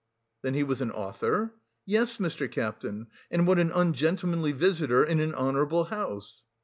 '" "Then he was an author?" "Yes, Mr. Captain, and what an ungentlemanly visitor in an honourable house...."